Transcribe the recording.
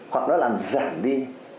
hoặc nó làm giảm đi